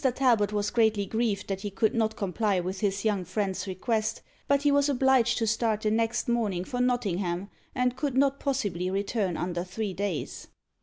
Talbot was greatly grieved that he could not comply with his young friend's request, but he was obliged to start the next morning for Nottingham, and could not possibly return under three days.